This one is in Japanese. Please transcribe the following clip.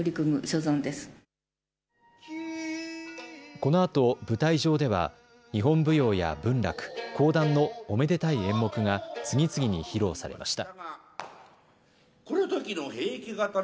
このあと舞台上では日本舞踊や文楽、講談のおめでたい演目が次々に披露されました。